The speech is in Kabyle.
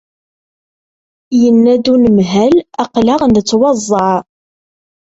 Yenna-d unemhal aql-aɣ nettwaẓẓeɛ.